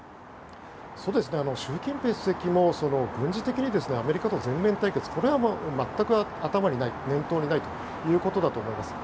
習近平主席も軍事的にアメリカ軍と全面対決は全く頭にない念頭にないということだと思います。